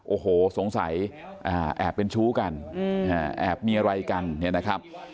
โอ้โหสงสัยแอบเป็นชู้กันแอบมีอะไรกันเนี่ยนะครับ